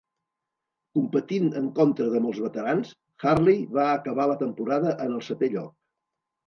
Competint en contra de molts veterans, Hartley va acabar la temporada en el setè lloc.